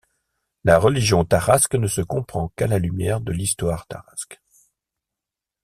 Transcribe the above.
La religion tarasque ne se comprend qu'à la lumière de l'histoire tarasque.